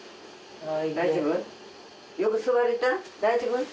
大丈夫？